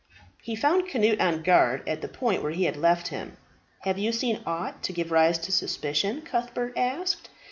He found Cnut on guard at the point where he had left him. "Have you seen aught to give rise to suspicion?" Cuthbert asked.